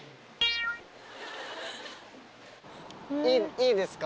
いいですか？